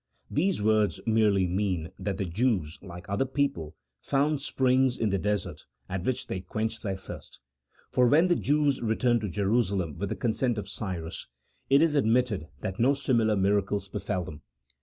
These words merely mean that the Jews, like other people, found springs in the desert, at which they quenched their thirst ; for when the Jews returned to Jerusalem with the consent of Cyrus, it is admitted that no similar miracles befell them.